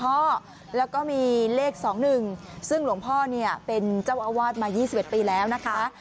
แล้วก็มีเลข๒๑ซึ่งหลวงพ่อเนี่ยเป็นเจ้าอาวาสมา๒๑ปีแล้วนะคะ